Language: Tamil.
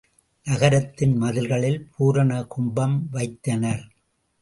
நகரத்தின் மதில்களில் பூரண கும்பம் வைத்தனர்.